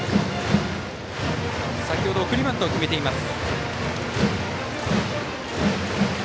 先程、送りバントを決めています。